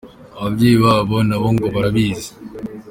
Ababyeyi babo na bo ngo barabizi.